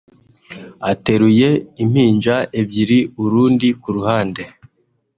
Ateruye impinja ebyiri urundi ku ruhande